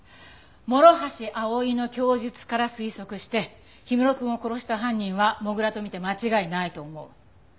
諸橋葵の供述から推測して氷室くんを殺した犯人は土竜とみて間違いないと思う。